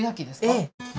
ええ。